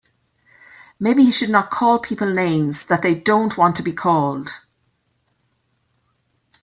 Maybe he should not call people names that they don't want to be called.